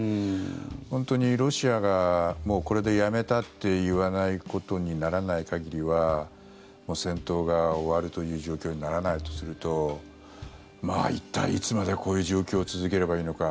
本当にロシアがこれでやめたと言わないことにならない限りは戦闘が終わるという状況にならないとすると一体いつまで、こういう状況を続ければいいのか。